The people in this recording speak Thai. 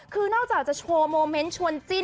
คือนอกจากจะโชว์โมเมนต์ชวนจิ้น